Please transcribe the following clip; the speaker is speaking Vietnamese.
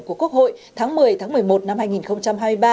của quốc hội tháng một mươi tháng một mươi một năm hai nghìn hai mươi ba